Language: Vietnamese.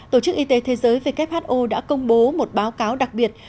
tổ chức y tế thế giới who đã công bố một báo cáo đặc biệt